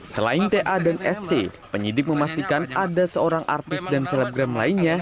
selain ta dan sc penyidik memastikan ada seorang artis dan selebgram lainnya